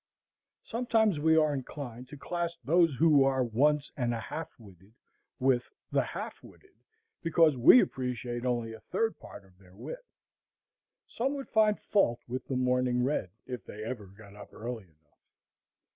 Sometimes we are inclined to class those who are once and a half witted with the half witted, because we appreciate only a third part of their wit. Some would find fault with the morning red, if they ever got up early enough.